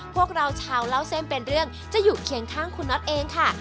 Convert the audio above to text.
พวกเราชาวเล่าเส้นเป็นเรื่องจะอยู่เคียงข้างคุณน็อตเองค่ะ